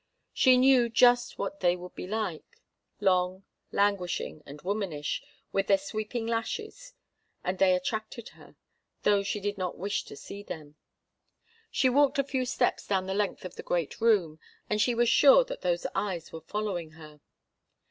She knew just what they would be like, long, languishing and womanish, with their sweeping lashes, and they attracted her, though she did not wish to see them. She walked a few steps down the length of the great room, and she was sure that those eyes were following her.